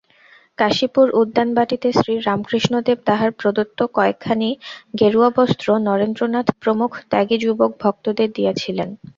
কাশীপুর উদ্যানবাটীতে শ্রীরামকৃষ্ণদেব তাঁহার প্রদত্ত কয়েকখানি গেরুয়াবস্ত্র নরেন্দ্রনাথ প্রমুখ ত্যাগী যুবক ভক্তদের দিয়াছিলেন।